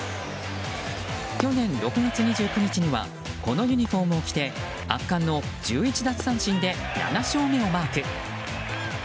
去年６月２９日にはこのユニホームを着て圧巻の１１奪三振で７勝目をマーク。